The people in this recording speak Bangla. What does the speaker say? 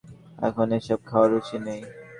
এখন এসব খাওয়ার রুচি নেই।